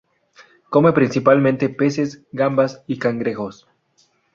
Come principalmente peces, gambas y cangrejos.